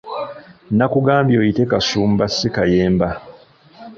Nakugambye oyite Kasumba si Kayemba.